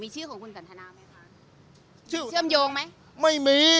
ชื่อของคุณสันทนาไหมคะชื่อเชื่อมโยงไหมไม่มี